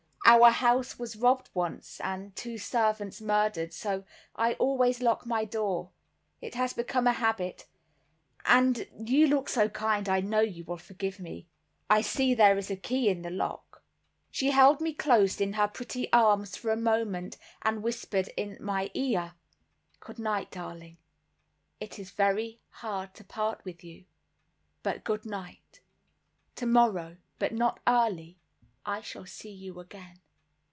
Our house was robbed once, and two servants murdered, so I always lock my door. It has become a habit—and you look so kind I know you will forgive me. I see there is a key in the lock." She held me close in her pretty arms for a moment and whispered in my ear, "Good night, darling, it is very hard to part with you, but good night; tomorrow, but not early, I shall see you again."